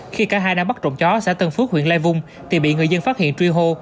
khi cả hai đang bắt trộm chó xã tân phước huyện lai vung thì bị người dân phát hiện truy hô